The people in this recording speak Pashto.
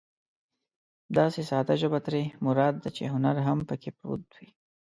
داسې ساده ژبه ترې مراد ده چې هنر هم پکې پروت وي.